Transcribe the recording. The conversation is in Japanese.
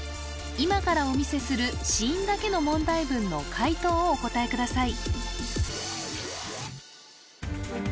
今からお見せする子音だけの問題文の解答をお答えください